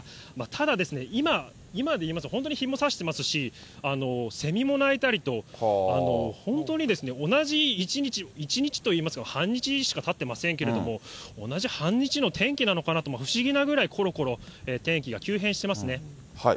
ただですね、今、今で言いますと、本当に日もさしてますし、セミも鳴いたりと、本当に同じ一日、一日と言いますか半日しかたってませんけれども、同じ半日の天気なのかなと、不思議なぐらいころころと天気が急変してますね。